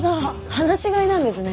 放し飼いなんですね。